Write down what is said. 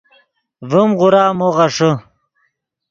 ڤیم غورا مو غیݰے